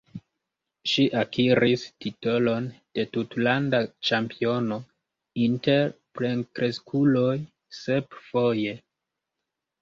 Ŝi akiris titolon de tutlanda ĉampiono inter plenkreskuloj sep foje.